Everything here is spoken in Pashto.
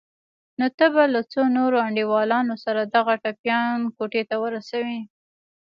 نو ته به له څو نورو انډيوالانو سره دغه ټپيان کوټې ته ورسوې.